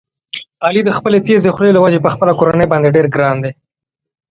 علي د خپلې تېزې خولې له وجې په خپله کورنۍ باندې ډېر ګران دی.